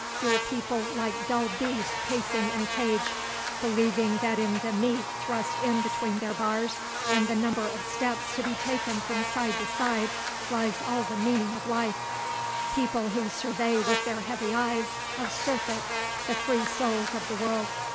your people like dull beasts pacing in a cage, believing that in the meat thrust in between their bars and the number of steps to be taken from side to side lies all the meaning of life; people who survey with their heavy eyes of surfeit the free souls of the world!